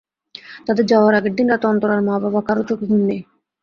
তাদের যাওয়ার আগের দিন রাতে অন্তরার মা-বাবার কারও চোখে ঘুম নেই।